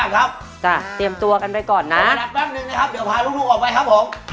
ตรงนั้นหนึ่งนะครับเดี๋ยวพาลูกออกไปครับผม